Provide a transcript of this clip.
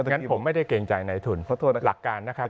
งั้นผมไม่ได้เกรงใจในทุนหลักการนะครับ